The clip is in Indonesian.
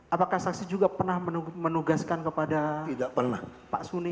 apakah saksi juga pernah menugaskan kepada pak suni